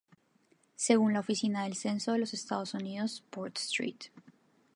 Según la Oficina del Censo de los Estados Unidos, Port St.